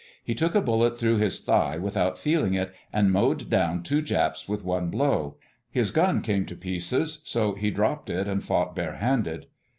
He took a bullet through his thigh without feeling it, and mowed down two Japs with one blow. His gun came to pieces, so he dropped it and fought bare handed.